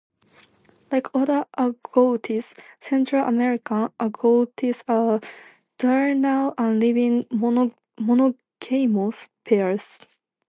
Like other agoutis, Central American agoutis are diurnal and live in monogamous pairs.